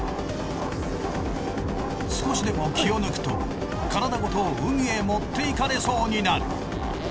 少しでも気を抜くと体ごと海へ持っていかれそうになる。